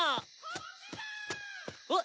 あ！